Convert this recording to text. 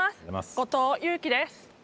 後藤佑季です。